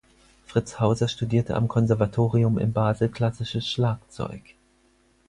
Fritz Hauser studierte am Konservatorium in Basel klassisches Schlagzeug.